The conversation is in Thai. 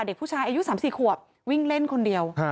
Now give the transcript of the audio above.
เด็กผู้ชายอายุ๓๔ขวบวิ่งเล่นคนเดียว